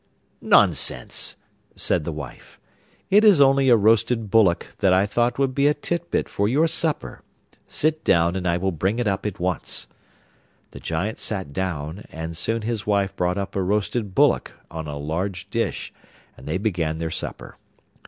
'Nonsense!' said the wife, 'it is only a roasted bullock that I thought would be a tit bit for your supper; sit down and I will bring it up at once.' The Giant sat down, and soon his wife brought up a roasted bullock on a large dish, and they began their supper.